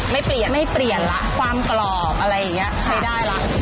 ไม่เปลี่ยนละความกรอบอะไรอย่างนี้ใช้ได้แล้ว